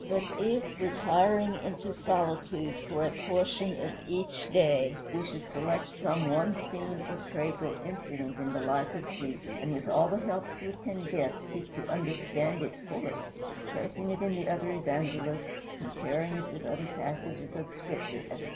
But if, retiring into solitude for a portion of each day, we should select some one scene or trait or incident in the life of Jesus, and with all the helps we can get seek to understand it fully, tracing it in the other evangelists, comparing it with other passages of Scripture, etc.